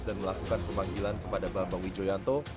dan melakukan pemanggilan kepada bambang wijoyanto